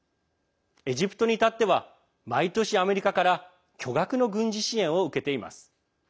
エジプトにいたっては毎年、アメリカから巨額の軍事支援を受けています。